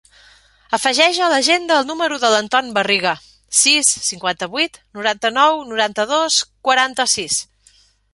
Afegeix a l'agenda el número de l'Anton Barriga: sis, cinquanta-vuit, noranta-nou, noranta-dos, quaranta-sis.